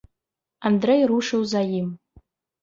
Андрэй рушыў за ім.